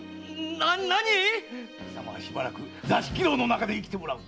何⁉貴様は座敷牢の中で生きてもらう。